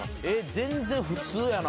全然普通やな。